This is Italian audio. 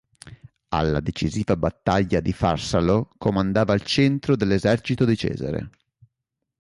Alla decisiva battaglia di Farsalo comandava il centro dell'esercito di Cesare.